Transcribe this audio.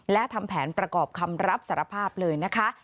และทำแผนประกอบคำรับสารภาพเลยนะคะ